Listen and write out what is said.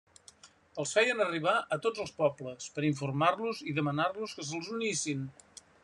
Els feien arribar a tots els pobles per informar-los i demanar-los que se'ls unissin.